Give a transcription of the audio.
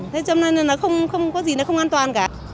thế cho nên là không có gì là không an toàn cả